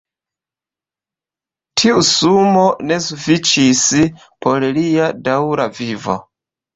Tiu sumo ne sufiĉis por lia daŭra vivo.